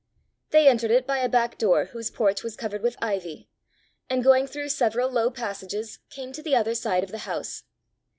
They entered it by a back door whose porch was covered with ivy, and going through several low passages, came to the other side of the house.